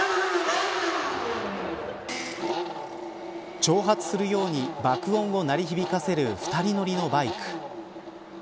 挑発するように爆音を鳴り響かせる２人乗りのバイク。